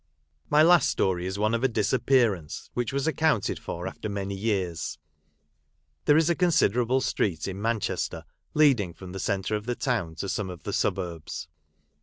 My last story is one of a disappearance, which was accounted for after many years. There is a considerable street in Manchester leading from the centre of the town to some of the suburbs.